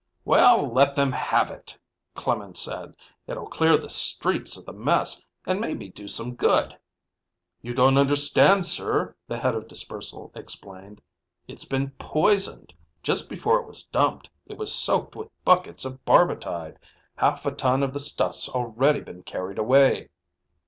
"Well, let them have it," Clemen said. "It'll clear the streets of the mess and maybe do some good." "You don't understand, sir," the head of Dispersal explained. "It's been poisoned. Just before it was dumped, it was soaked with buckets of barbitide. Half a ton of the stuff's already been carried away."